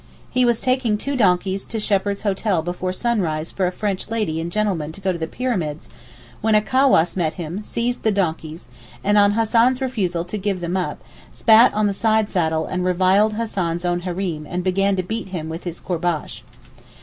He was taking two donkeys to Shepheard's hotel before sunrise for a French lady and gentleman to go to the Pyramids, when a cawass met him, seized the donkeys, and on Hassan's refusal to give them up, spat on the side saddle and reviled Hassan's own Hareem and began to beat him with his courbash.